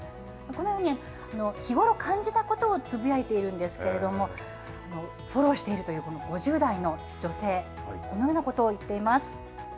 このように、日頃、感じたことをつぶやいているんですけれども、フォローしているというこの５０代の女性、このようなことを言っています。